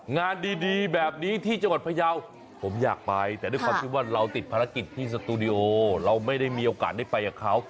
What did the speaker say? งานดีแบบนี้ที่จังหวัดพยาวผมอยากไปแต่ด้วยความที่ว่าเราติดภารกิจที่สตูดิโอเราไม่ได้มีโอกาสได้ไปกับเขา